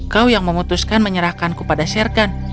kau yang memutuskan menyerahkanku pada sherkan